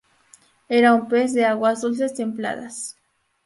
Era un pez de aguas dulces templadas.